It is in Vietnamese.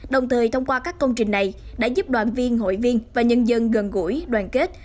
đồng thời thông qua các công trình này đã giúp đoàn viên hội viên và nhân dân gần gũi đoàn kết